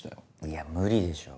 いや無理でしょ。